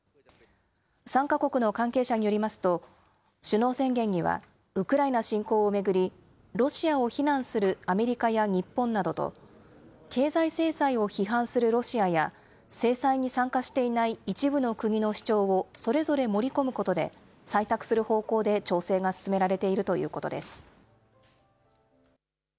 参加国の関係者によりますと、首脳宣言には、ウクライナ侵攻を巡り、ロシアを非難するアメリカや日本などと、経済制裁を批判するロシアや、制裁に参加していない一部の国の主張をそれぞれ盛り込むことで採択する方向で調整が進められているということです。